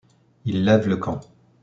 Ils lèvent le camp.